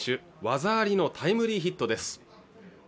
技ありのタイムリーヒットです